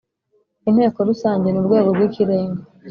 Inteko rusange ni urwego rw ikirenga